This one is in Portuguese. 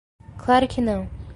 Claro que não